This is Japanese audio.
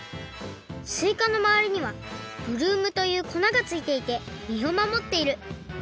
すいかのまわりにはブルームというこながついていてみを守っている。